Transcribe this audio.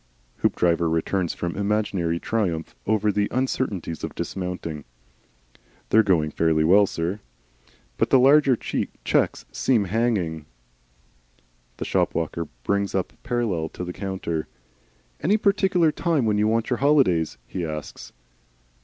Hoopdriver returns from an imaginary triumph over the uncertainties of dismounting. "They're going fairly well, sir. But the larger checks seem hanging." The shop walker brings up parallel to the counter. "Any particular time when you want your holidays?" he asks.